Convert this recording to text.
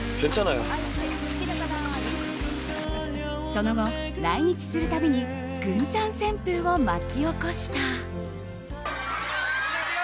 その後、来日する度にグンちゃん旋風を巻き起こした。